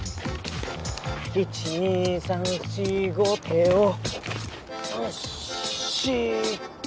１２３４５帝王。